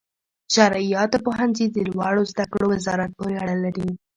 شرعیاتو پوهنځي د لوړو زده کړو وزارت پورې اړه لري.